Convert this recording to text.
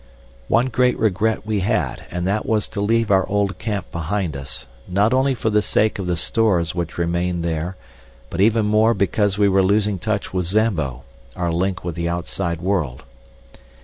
One great regret we had, and that was to leave our old camp behind us, not only for the sake of the stores which remained there, but even more because we were losing touch with Zambo, our link with the outside world.